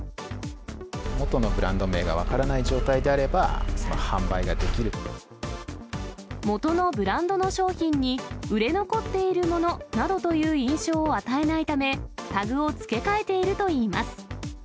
元のブランド名が分からない元のブランドの商品に、売れ残っているものなどという印象を与えないため、タグを付け替えているといいます。